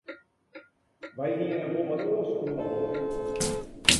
Wy hiene wol wat oars oan 'e holle.